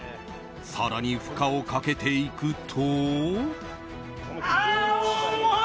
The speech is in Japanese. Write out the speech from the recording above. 更に、負荷をかけていくと。